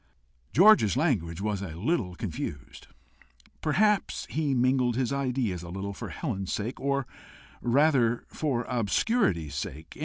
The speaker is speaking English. George's language was a little confused. Perhaps he mingled his ideas a little for Helen's sake or rather for obscurity's sake.